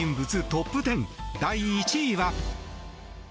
トップ１０第１位は。